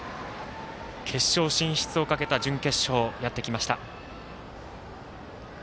決勝進出をかけた準決勝やってきました。